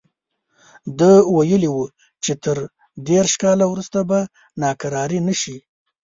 ده ویلي وو چې تر دېرش کاله وروسته به ناکراري نه شي.